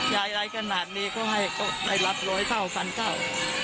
ยายอะไรขนาดนี้เขาให้เขาได้รับร้อยเก้าพันเก้า